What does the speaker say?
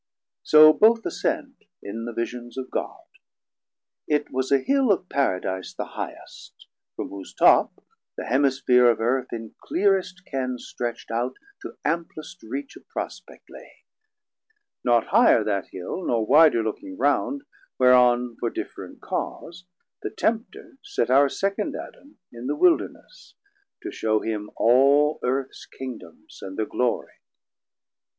So both ascend In the Visions of God: It was a Hill Of Paradise the highest, from whose top The Hemisphere of Earth in cleerest Ken Stretcht out to amplest reach of prospect lay. 380 Not higher that Hill nor wider looking round, Whereon for different cause the Tempter set Our second Adam in the Wilderness, To shew him all Earths Kingdomes and thir Glory.